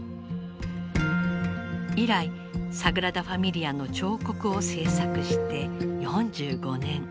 以来サグラダ・ファミリアの彫刻を制作して４５年。